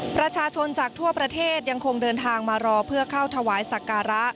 ประชาชนจากทั่วประเทศยังคงเดินทางมารอเพื่อเข้าถวายสักการะ